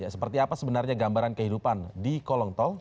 seperti apa sebenarnya gambaran kehidupan di kolongtol